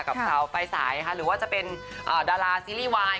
กับสาวไฟสายหรือว่าจะเป็นดาราซีรีส์วาย